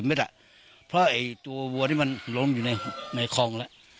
๕๐๖๐เมตรเพราะตัววัวนี้มันล้มอยู่ในคลองแล้ว